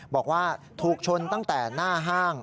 บอกว่าถูกชนตั้งแต่หน้าห้าง